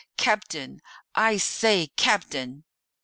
Captain! I say, captain!"